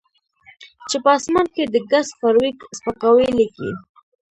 چې په اسمان کې د ګس فارویک سپکاوی لیکي